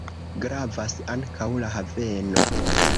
Gravas ankaŭ la haveno.